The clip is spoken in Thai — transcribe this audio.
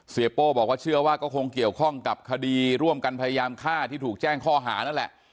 โป้บอกว่าเชื่อว่าก็คงเกี่ยวข้องกับคดีร่วมกันพยายามฆ่าที่ถูกแจ้งข้อหานั่นแหละ